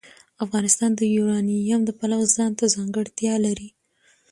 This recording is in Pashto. افغانستان د یورانیم د پلوه ځانته ځانګړتیا لري.